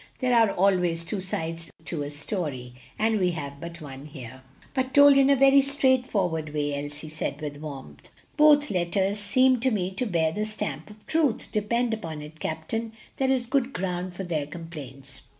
There are always two sides to a story, and we have but one here." "But told in a very straightforward way," Elsie said with warmth. "Both letters seem to me to bear the stamp of truth. Depend upon, it, captain, there is good ground for their complaints."